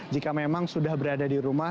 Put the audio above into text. jika memang sudah berada di rumah